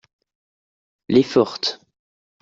les fortes.